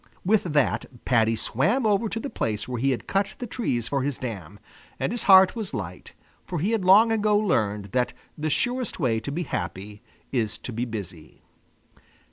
With that Paddy swam over to the place where he had cut the trees for his dam, and his heart was light, for he had long ago learned that the surest way to be happy is to be busy.